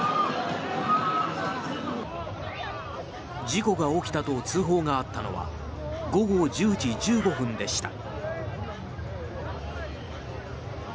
事故が起きたと通報があったのは午後１０時１５分でした。